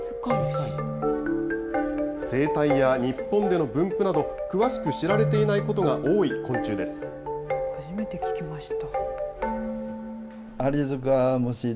生態や日本での分布など、詳しく知られていないことが多い昆虫で初めて聞きました。